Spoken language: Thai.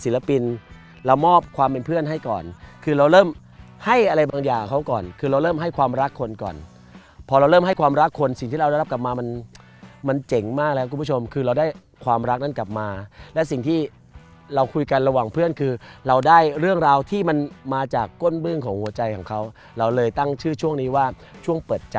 เรามอบความเป็นเพื่อนให้ก่อนคือเราเริ่มให้อะไรบางอย่างเขาก่อนคือเราเริ่มให้ความรักคนก่อนพอเราเริ่มให้ความรักคนสิ่งที่เราได้รับกลับมามันมันเจ๋งมากแล้วคุณผู้ชมคือเราได้ความรักนั้นกลับมาและสิ่งที่เราคุยกันระหว่างเพื่อนคือเราได้เรื่องราวที่มันมาจากก้นเบื้องของหัวใจของเขาเราเลยตั้งชื่อช่วงนี้ว่าช่วงเปิดจ